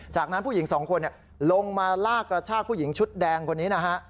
จากนั้นผู้หญิงสองคนลงมาลากกระชากผู้หญิงชุดแดงคนนี้นะฮะ